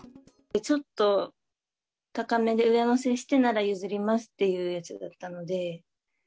ちょっと高めで、上乗せしてなら譲りますっていうやつだったので。